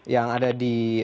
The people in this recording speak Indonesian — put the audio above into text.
yang ada di